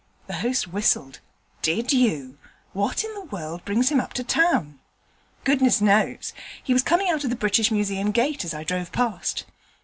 The host whistled. 'Did you? What in the world brings him up to town?' 'Goodness knows; he was coming out of the British Museum gate as I drove past.'